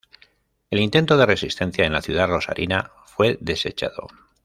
El intento de resistencia en la ciudad Rosarina fue desechado.